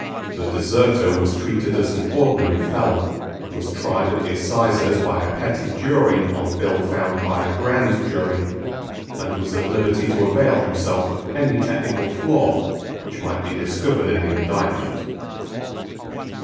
The deserter was treated as an ordinary felon, was tried at the assizes by a petty jury on a bill found by a grand jury, and was at liberty to avail himself of any technical flaw which might be discovered in the indictment.